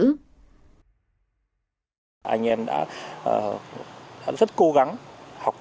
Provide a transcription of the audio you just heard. anh em đã rất cố gắng học tập rèn rũa không hoảng ngại khó khăn địa bàn thì khắc nghiệt đối tượng về mua bán ma túy thì chẳng hạn